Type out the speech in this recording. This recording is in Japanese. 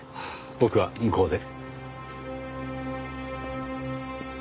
僕は向こうで。